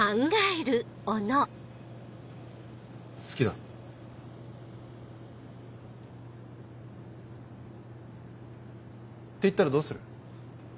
好きだ。って言ったらどうする？